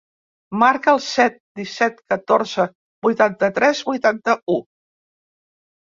Marca el set, disset, catorze, vuitanta-tres, vuitanta-u.